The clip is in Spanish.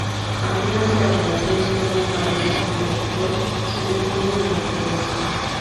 Algunas de las relaciones que unen Valencia con Alcoy se detienen en Algemesí.